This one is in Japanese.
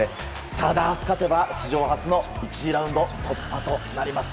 ただ、明日勝てば史上初の１次ラウンド突破となります。